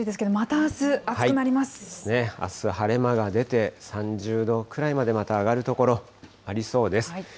あす、晴れ間が出て、３０度くらいまで、また上がる所ありそうです。